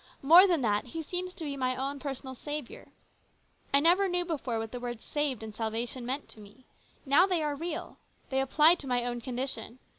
More than that, He seems to be my own persona] Saviour. I never knew before what the words 'saved' and 'salvation' meant to me. Now they are real. They apply to my own condition.